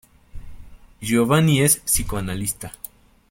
Giovanni es psicoanalista.